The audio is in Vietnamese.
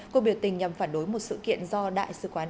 cuộc biểu tình nhằm phản đối một sự kiện do đại sứ quán